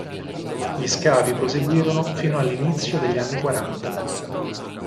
Gli scavi proseguirono fino all'inizio degli anni quaranta.